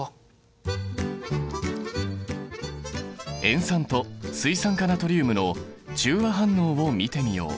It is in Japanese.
塩酸と水酸化ナトリウムの中和反応を見てみよう。